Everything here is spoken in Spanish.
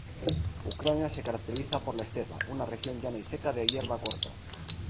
Ucrania se caracteriza por la estepa, una región llana y seca de hierba corta.